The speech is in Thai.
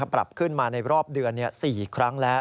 ปรับขึ้นมาในรอบเดือน๔ครั้งแล้ว